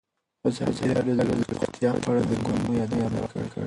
ازادي راډیو د روغتیا په اړه د ننګونو یادونه کړې.